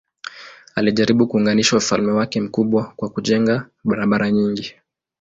Alijaribu kuunganisha ufalme wake mkubwa kwa kujenga barabara nyingi.